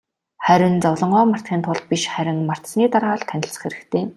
Харин зовлонгоо мартахын тулд биш, харин мартсаны дараа л танилцах хэрэгтэй.